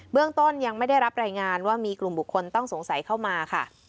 เรื่องต้นยังไม่ได้รับรายงานว่ามีกลุ่มบุคคลต้องสงสัยเข้ามาค่ะ